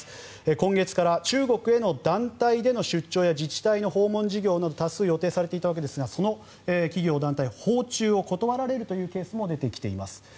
今月から中国への団体での出張や自治体の訪問事業など多数予定されていたわけですがその企業団体訪中を断られるというケースも出てきています。